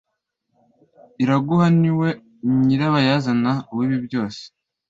Iraguha niwe nyirabayazana w'ibi byose.